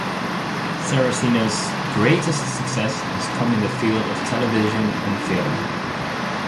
Saraceno's greatest success has come in the field of television and film.